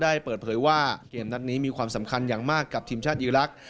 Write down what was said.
ได้เปิดเผยว่าเกมนัดนี้มีความสำคัญอย่างมากกับทีมชาติอีรักษ